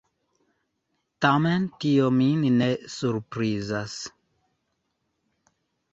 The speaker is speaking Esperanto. Tamen tio min ne surprizas.